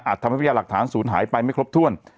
ทำให้พยาหลักฐานศูนย์หายไปไม่ครบถ้วน